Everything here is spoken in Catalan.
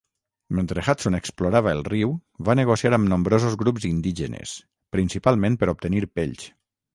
Mentre Hudson explorava el riu va negociar amb nombrosos grups indígenes, principalment per obtenir pells.